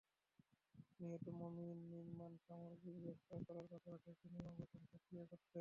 নিহত মোমিন নির্মাণসামগ্রীর ব্যবসা করার পাশাপাশি একটি নির্মাণ প্রতিষ্ঠানে চাকরিও করতেন।